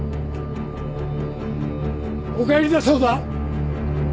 お帰りだそうだ。